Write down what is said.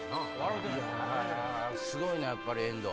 いやすごいねやっぱり遠藤。